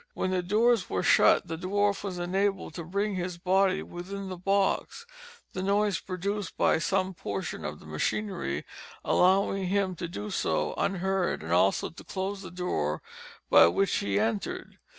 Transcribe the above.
When the doors were shut, the dwarf was enabled to bring his body within the box—the noise produced by some portion of the machinery allowing him to do so unheard, and also to close the door by which he entered.